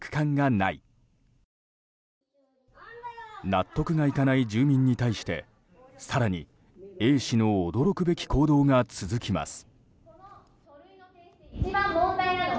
納得がいかない住民に対して更に、Ａ氏の驚くべき行動が続きます。